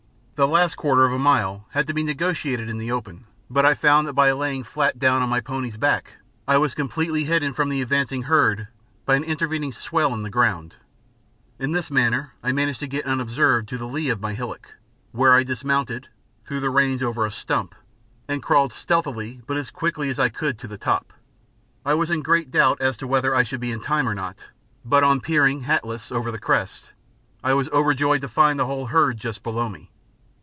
The last quarter of a mile had to be negotiated in the open, but I found that by lying flat down on my pony's back I was completely hidden from the advancing herd by an intervening swell in the ground. In this manner I managed to get unobserved to the lee of my hillock, where I dismounted, threw the reins over a stump, and crawled stealthily but as quickly as I could to the top. I was in great doubt as to whether I should be in time or not, but on peering, hatless, over the crest, I was overjoyed to find the whole herd just below me.